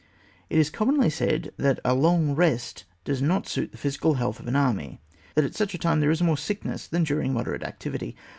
It is commonly said that a long rest does not suit the physical health of an army ; that at such a time there is more sickness than during moderate activity.